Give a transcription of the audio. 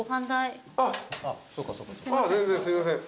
あっ全然すいません。